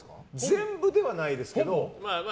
全部ではないですけど。